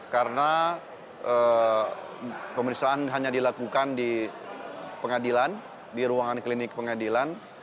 karena pemeriksaan hanya dilakukan di pengadilan di ruangan klinik pengadilan